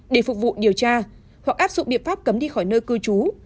để phục vụ điều tra hoặc áp dụng biện pháp cấm đi khỏi nơi cư trú